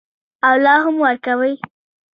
او لا هم ورکوي.